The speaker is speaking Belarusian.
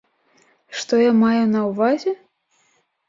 Што я маю на ўвазе?